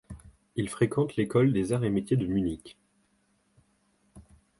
Il fréquente l'École des Arts et Métiers de Munich.